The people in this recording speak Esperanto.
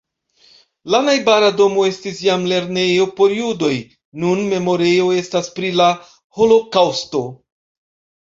La najbara domo estis iam lernejo por judoj, nun memorejo estas pri la holokaŭsto.